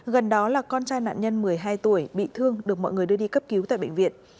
gần đó là con trai nạn nhân một mươi hai tuổi bị thương được mọi người đưa đi cấp cứu tại bệnh viện